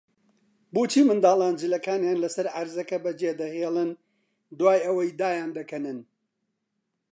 بۆچی منداڵان جلەکانیان لەسەر عەرزەکە بەجێدەهێڵن، دوای ئەوەی دایاندەکەنن؟